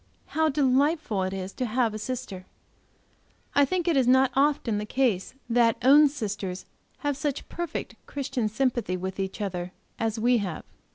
How delightful it is to have a sister! I think it is not often the case that own sisters have such perfect Christian sympathy with each other as we have.